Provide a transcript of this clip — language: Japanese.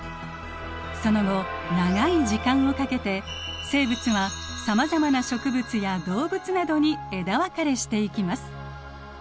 その後長い時間をかけて生物はさまざまな植物や動物などに枝分かれしていきます。